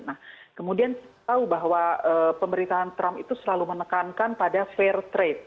nah kemudian tahu bahwa pemerintahan trump itu selalu menekankan pada fair trade